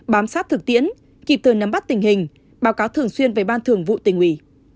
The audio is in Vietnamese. bám sát thực tiễn kịp thời nắm bắt tình hình báo cáo thường xuyên về ban thường vụ tỉnh ủy